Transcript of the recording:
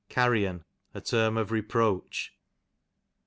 carrion, a term of reproach.